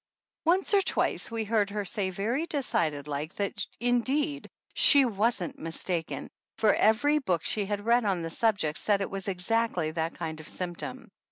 Once or twice we heard her say very decided like that indeed she wasn't mistaken, for every book she had read on the subject said it was exactly that kind of a symptom.